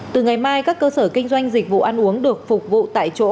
từ ngày mai các cơ sở kinh doanh dịch vụ ăn uống được phục vụ tại chỗ